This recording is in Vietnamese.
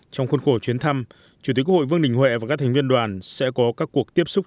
trong khuôn khổ chuyến thăm chủ tịch quốc hội vương đình huệ và các thành viên đoàn sẽ có các cuộc tiếp xúc